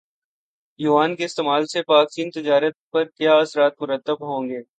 یوان کے استعمال سے پاکچین تجارت پر کیا اثرات مرتب ہوں گے